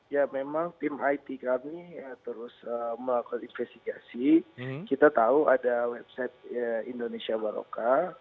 ya memang tim it kami terus melakukan investigasi kita tahu ada website indonesia baroka